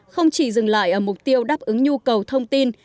không chỉ dừng lại ở mục tiêu đáp ứng nhu cầu thông tin